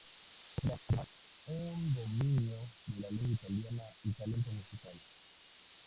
Poseía, además, un dominio de la lengua italiana y talento musical.